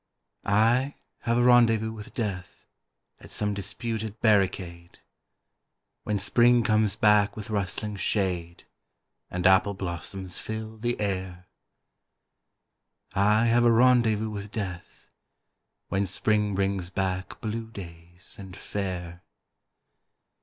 .. I have a rendezvous with Death At some disputed barricade, When Spring comes back with rustling shade And apple blossoms fill the air I have a rendezvous with Death When Spring brings back blue days and fair.